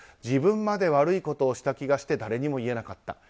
自分まで悪いことをした気がして誰にも言えなかった。